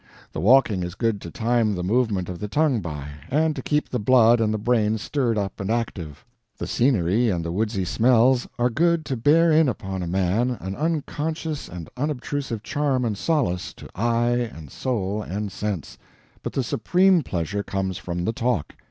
The walking is good to time the movement of the tongue by, and to keep the blood and the brain stirred up and active; the scenery and the woodsy smells are good to bear in upon a man an unconscious and unobtrusive charm and solace to eye and soul and sense; but the supreme pleasure comes from the talk.